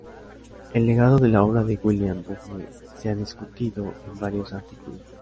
El legado de la obra de William Bunge se ha discutido en varios artículos.